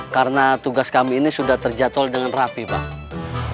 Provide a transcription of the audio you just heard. karena tugas kami ini sudah terjatuh dengan rapi pak